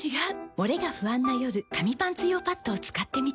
モレが不安な夜紙パンツ用パッドを使ってみた。